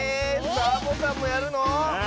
サボさんもやるの⁉ああ。